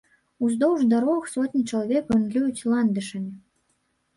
Уздоўж дарог сотні чалавек гандлююць ландышамі.